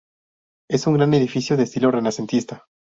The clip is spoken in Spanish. Es un gran edificio de estilo renacentista.